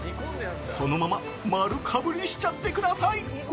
そのまま丸かぶりしちゃってください！